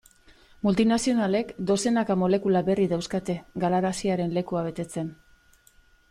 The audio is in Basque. Multinazionalek dozenaka molekula berri dauzkate galaraziaren lekua betetzen.